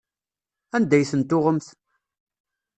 Anda ay ten-tuɣemt?